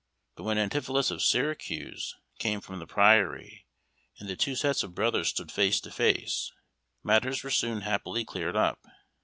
But when Antipholus of Syracuse came from the Priory, and the two sets of brothers stood face to face, matters were soon happily cleared up.